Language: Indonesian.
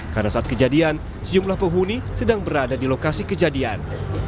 karena saat kejadian sejumlah penghuni sedang berada di lokasi kejadian